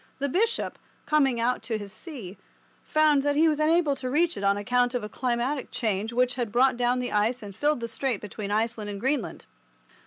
The bishop, coming out to his see, found that he was unable to reach it on account of a climatic change which had brought down the ice and filled the strait between Iceland and Greenland.